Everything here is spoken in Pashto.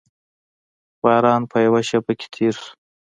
باران په یوه شېبه کې تېر شو.